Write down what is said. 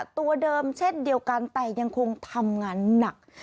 ตัวเดิมเช่นเดียวกันแต่ยังคงทำงานหนัก